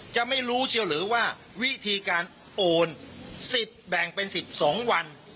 จะไม่รู้เชียวหรือว่าวิธีการโอนสิทธิ์แบ่งเป็น๑๒วัน